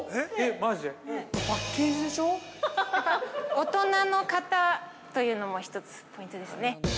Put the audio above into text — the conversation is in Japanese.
◆大人の方というのも、１つポイントですね。